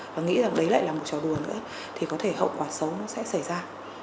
và nghĩ rằng đấy lại là một trò đùa nữa thì có thể hậu quả xấu sẽ xảy ra